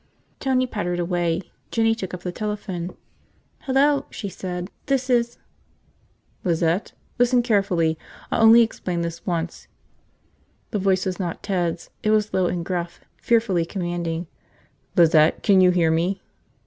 Tony pattered away. Jinny took up the telephone. "Hello," she said. "This is ..." "Lizette? Listen carefully. I'll only explain this once." The voice was not Ted's. It was low and gruff, fearfully commanding. "Lizette, can you hear me?"